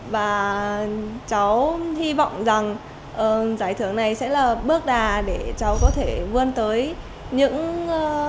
và cháu hy vọng rằng giải thưởng này sẽ là bước đà để cháu có thể vươn tới những thành công khác sau này